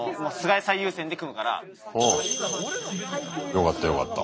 よかったよかった。